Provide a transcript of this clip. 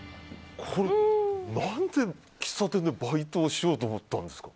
何で喫茶店でバイトをしようと思ったんですか。